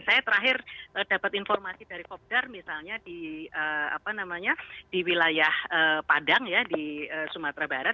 saya terakhir dapat informasi dari kopdar misalnya di wilayah padang ya di sumatera barat